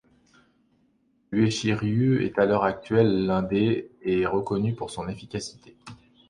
L'Uechi ryū est à l’heure actuelle l’un des et est reconnu pour son efficacité.